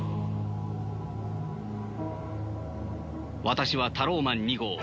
私はタローマン２号。